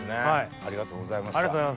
ありがとうございます。